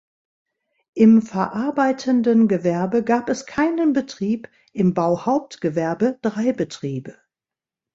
Im verarbeitenden Gewerbe gab es keinen Betrieb, im Bauhauptgewerbe drei Betriebe.